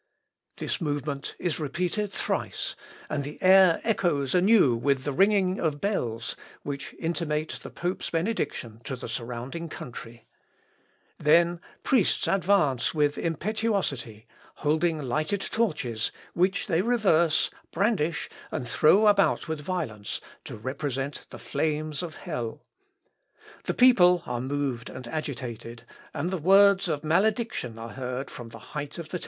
This movement is repeated thrice, and the air echoes anew with the ringing of bells, which intimate the pope's benediction to the surrounding country; then priests advance with impetuosity, holding lighted torches, which they reverse, brandish, and throw about with violence, to represent the flames of hell; the people are moved and agitated, and the words of malediction are heard from the height of the temple.